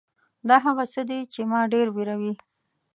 دا هغه څه دي چې ما ډېر وېروي .